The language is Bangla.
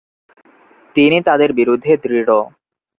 তিনি তাদের বিরুদ্ধে দৃঢ়।